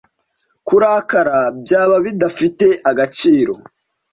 kurakara byaba bidafite agaciro